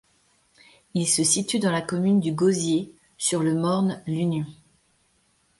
Il se situe dans la commune du Gosier, sur le morne l'Union.